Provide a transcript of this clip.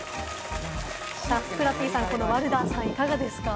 ふくらＰさん、このワルダーさんはいかがですか？